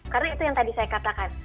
karena itu yang tadi saya katakan